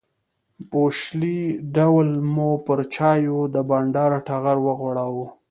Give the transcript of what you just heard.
بوشلې ډول مو پر چایو د بانډار ټغر وغوړاوه.